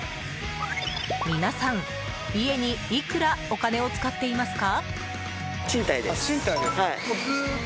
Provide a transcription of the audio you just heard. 皆さん、家にいくらお金を使っていますか？